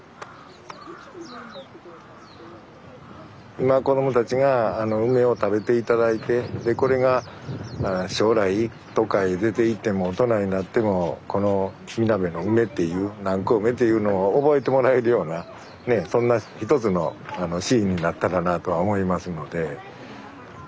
今子どもたちが梅を食べて頂いてでこれが将来どっかへ出ていっても大人になってもこのみなべの梅っていう南高梅っていうのを覚えてもらえるようなそんな一つのシーンになったらなあとは思いますので。